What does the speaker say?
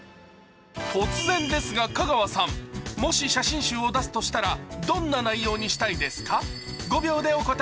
突然ですが、香川さんもし写真集を出すとしたらどんな内容にしたいですか？